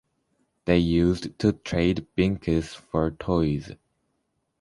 They used to trade binkis for toys.